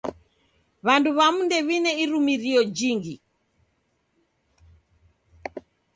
W'andu w'amu ndew'ine irumirio jhingi.